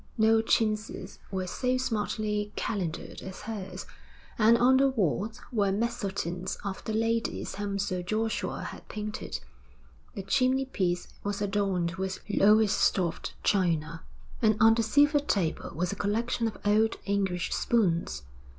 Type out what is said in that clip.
No chintzes were so smartly calendered as hers, and on the walls were mezzotints of the ladies whom Sir Joshua had painted. The chimney piece was adorned with Lowestoft china, and on the silver table was a collection of old English spoons.